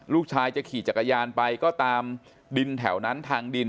ลูกชายจะขี่จักรยานไปก็ตามดินแถวนั้นทางดิน